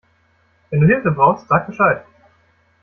Wenn du Hilfe brauchst, sag Bescheid.